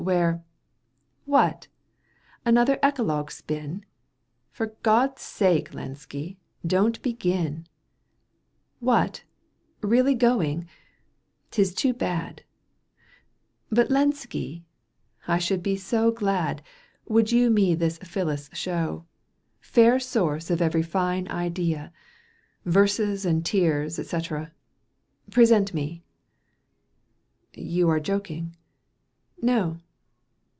Where "—" What ! another eclogue spin ? For God's sake, Lenski, don't begin ! What ! really going ? *Tis too bad ! But Lenski, I should be so glad Would you to me this Phillis show. Fair source of every fine idea. Verses and tears et cetera. Present me." —" You are joking." —" No."